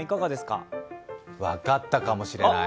分かったかもしれない。